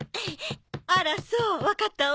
あらそうわかったわ。